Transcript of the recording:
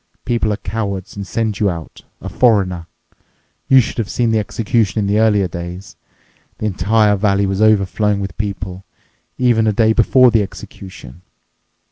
People are cowards and send you out—a foreigner. You should have seen the executions in earlier days! The entire valley was overflowing with people, even a day before the execution.